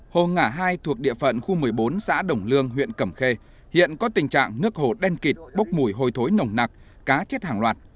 hồ ngã hai thuộc địa phận khu một mươi bốn xã đồng lương huyện cẩm khê hiện có tình trạng nước hồ đen kịch bốc mùi hôi thối nồng nặc cá chết hàng loạt